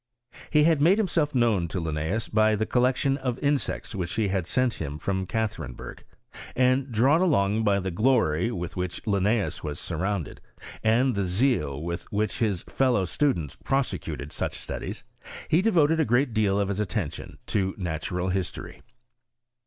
He had made himself known to Linneeus by the collection of insects which he had sent him from Catherinberg ; and, drawn along by the glory with which Linneeus was surrounded, and the zeal wiA which his fellow students prosecuted such studies, he devoted a great deal of his attention to natural history.